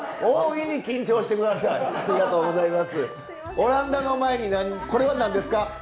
オランダの前にこれは何ですか？